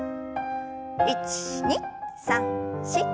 １２３４。